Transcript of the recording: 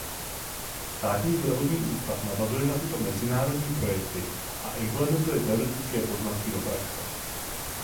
Státní zdravotní ústav navazuje na tyto mezinárodní projekty a implementuje teoretické poznatky do praxe.